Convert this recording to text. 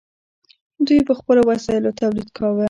دوی په خپلو وسایلو تولید کاوه.